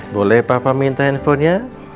boleh papa minta handphonenya